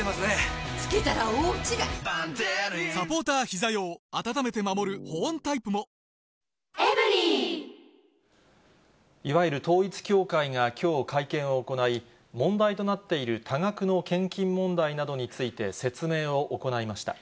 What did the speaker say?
献金がいわゆる問題となって、いわゆる統一教会がきょう会見を行い、問題となっている多額の献金問題などについて、説明を行いました。